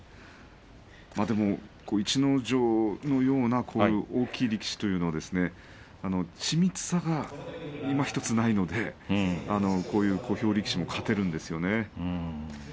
でも逸ノ城のような大きい力士というのは緻密さがいまひとつないのでこういう小兵力士も勝てるんですよね。